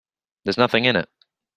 There's nothing in it.